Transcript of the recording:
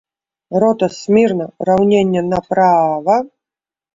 Рота, смірна, раўненне направа!